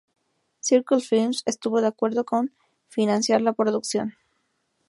Circle Films estuvo de acuerdo con financiar la producción.